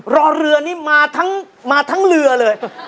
รอเรือนี่มาทั้งเรือเลย